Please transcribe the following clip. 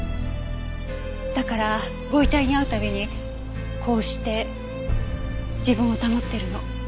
だからご遺体に会うたびにこうして自分を保ってるの。